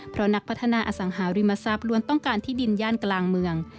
เพราะนักพัฒนาอสังหาริมทรัพย์ล้วนต้องการที่ดินย่านกลางเมือง